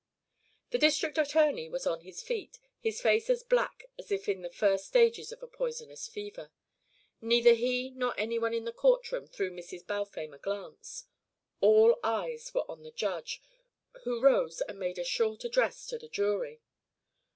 The district attorney was on his feet, his face as black as if in the first stages of a poisonous fever. Neither he nor any one in the court room threw Mrs. Balfame a glance. All eyes were on the Judge, who rose and made a short address to the jury.